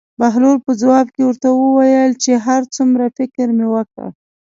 بهلول په ځواب کې ورته وویل چې هر څومره فکر مې وکړ.